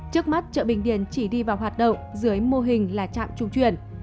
trước mắt chợ bình điền chỉ đi vào hoạt động dưới mô hình là trạm trung chuyển